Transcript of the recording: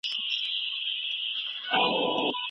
که حضوري ټولګي وي زده کوونکي د ښوونکي سره مخامخ اړيکه لري.